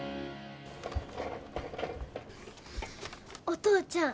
お父ちゃん。